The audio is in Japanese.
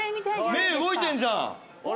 目動いてんじゃん。